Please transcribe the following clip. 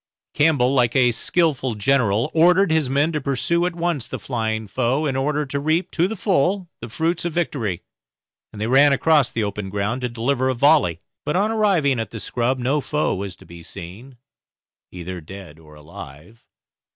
Campbell, like a skilful general, ordered his men to pursue at once the flying foe, in order to reap to the full the fruits of victory, and they ran across the open ground to deliver a volley; but on arriving at the scrub no foe was to be seen, either dead or alive.